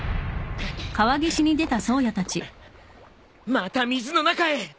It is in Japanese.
また水の中へ。